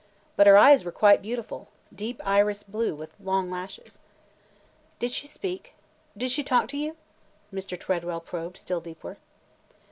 But her eyes were quite beautiful, deep iris blue with long lashes." "Did she speak? Did she talk to you?" Mr. Tredwell probed still deeper.